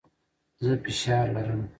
زه فشار لرم.